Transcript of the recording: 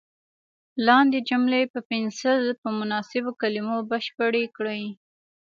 لاندې جملې په پنسل په مناسبو کلمو بشپړې کړئ.